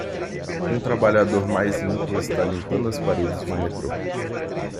Um trabalhador mais limpo está limpando as paredes de um metrô.